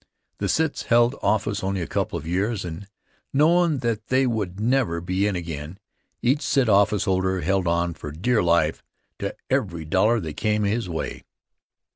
The Cits held office only a couple of years and, knowin' that they would never be in again, each Cit officeholder held on for dear life to every dollar that came his way.